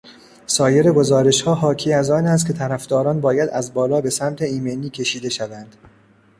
سایر گزارشها حاکی از آن است که طرفداران باید از بالا به سمت ایمنی کشیده شوند.